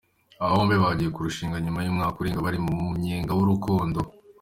Aba bombi bagiye kurushinga nyuma y’umwaka urenga bari mu munyenga w’urukundo.